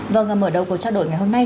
vâng mở đầu cuộc trao đổi ngày hôm nay